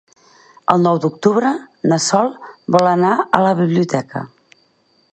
El nou d'octubre na Sol vol anar a la biblioteca.